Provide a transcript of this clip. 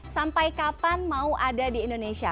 sampai kapan mau ada di indonesia